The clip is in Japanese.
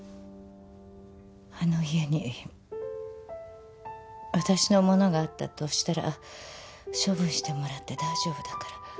あの家に私の物があったとしたら処分してもらって大丈夫だから。